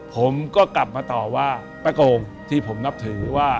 ผมก็กลับมาต่อว่าป้าโกงที่ผมนับถือว่า